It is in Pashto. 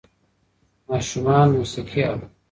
ماشومان موسیقي اوري.